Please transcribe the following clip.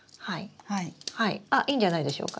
あいいんじゃないでしょうか。